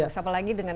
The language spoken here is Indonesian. sama lagi dengan